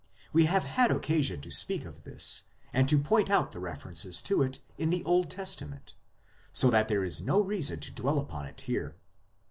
We have had occasion to speak of this and to point out the references to it in the Old Testament, 2 so that there is no reason to dwell upon it here.